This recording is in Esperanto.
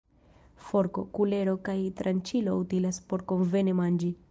Forko, kulero kaj tranĉilo utilas por konvene manĝi.